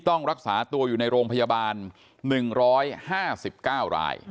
ต้องรักษาตัวอยู่ในโรงพยาบาลหนึ่งร้อยห้าสิบเก้าราย